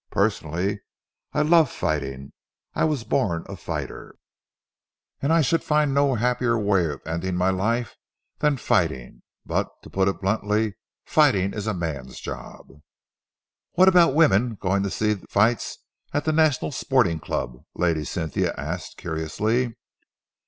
Personally, I love fighting. I was born a fighter, and I should find no happier way of ending my life than fighting, but, to put it bluntly, fighting is a man's job." "What about women going to see fights at the National Sporting Club?" Lady Cynthia asked curiously.